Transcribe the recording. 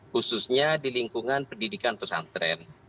khususnya di lingkungan pendidikan pesantren